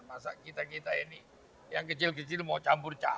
masa kita kita ini yang kecil kecil mau campur cabai